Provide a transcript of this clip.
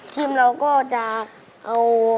ทีมเราก็จะเอา